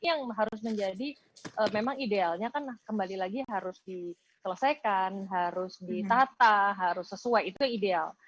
yang harus menjadi memang idealnya kan kembali lagi harus diselesaikan harus ditata harus sesuai itu ideal